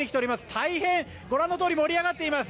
大変、ご覧のとおり盛り上がっています。